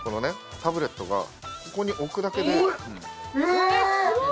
タブレットがここに置くだけでえっすごーい！